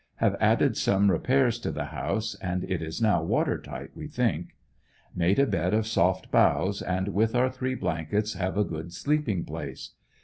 Have added some repairs to the house and it is now water tight, we think. Made a bed of soft boughs, and with our three blankets have a good sleeping place.